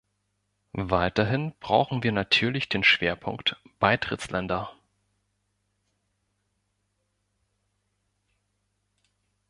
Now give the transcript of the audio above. Weiterhin brauchen wir natürlich den Schwerpunkt "Beitrittsländer".